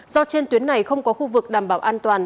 do trên tuyến này không có khu vực đảm bảo an toàn